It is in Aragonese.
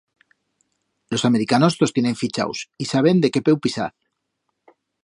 Los americanos tos tienen fichaus y saben de qué peu pisaz.